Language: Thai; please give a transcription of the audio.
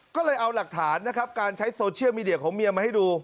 ก็เลยเอาหลักฐานนะครับการใช้โซเชียลมีเดียของเมียมาให้ดู